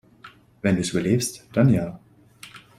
Wenn du es überlebst, dann ja.